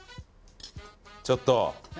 ちょっと。